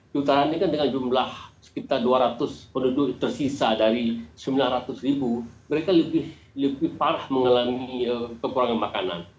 jutaan ini kan dengan jumlah sekitar dua ratus penduduk tersisa dari sembilan ratus ribu mereka lebih parah mengalami kekurangan makanan